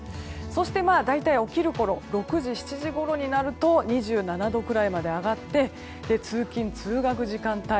そして、大体起きるころ６時、７時ごろになると２７度くらいまで上がって通勤・通学時間帯